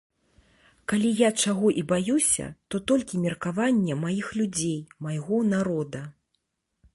Калі я чаго і баюся, то толькі меркавання маіх людзей, майго народа.